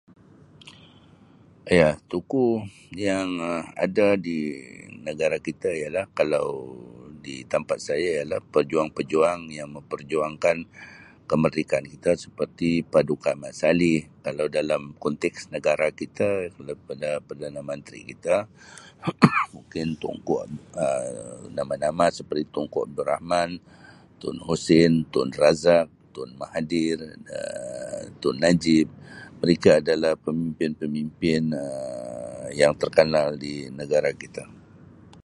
Ya tokoh yang Um ada di negara kita ialah kalau di tampat saya ialah pejuang-pejuang yang memperjuangkan kemerdekaan kita seperti Paduka Mat Salleh kalau dalam konteks negara kita [unintelligible] perdana menteri kita mungkin Tunku Um nama-nama seperti Tunku Abdul Rahman, Tun Hussein, Tun Razak, Tun Mahathir, Um Tun Najib mereka adalah pemimpin-pemimpin Um yang tekenal di negara kita.